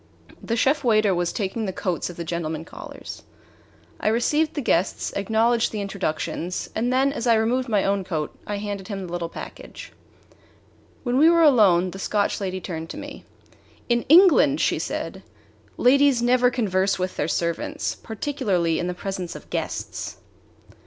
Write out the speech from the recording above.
The chef waiter was taking the coats of the gentlemen callers. I received the guests, acknowledged the introductions, and then, as I removed my own coat, I handed him the little package. When we were alone the Scotch lady turned to me. "In England," she said, "ladies never converse with their servants, particularly in the presence of guests."